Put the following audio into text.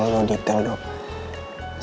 saya gak mau nanya terlalu detail dok